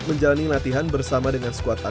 menjalani latihan bersama dengan squadnya